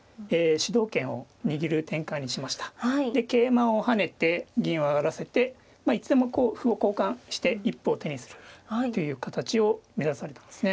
で桂馬を跳ねて銀を上がらせていつでも歩を交換して一歩を手にするという形を目指されてますね。